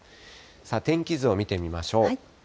天気図を見てみましょう。